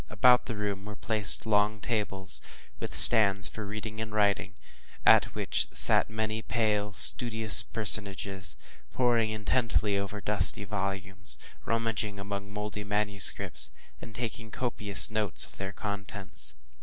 About the room were placed long tables, with stands for reading and writing, at which sat many pale, studious personages, poring intently over dusty volumes, rummaging among mouldy manuscripts, and taking copious notes of their contents.